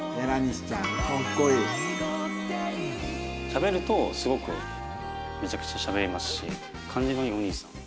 しゃべるとすごくめちゃくちゃしゃべりますし感じのいいお兄さん。